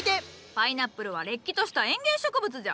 パイナップルはれっきとした園芸植物じゃ！